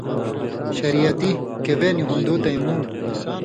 شریعتی، کہ وے نی ہُون٘دُوں تَیمُوم